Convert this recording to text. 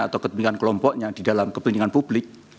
atau kepentingan kelompoknya di dalam kepentingan publik